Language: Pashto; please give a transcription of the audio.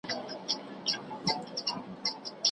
شريعت د افراط لاره نه ده.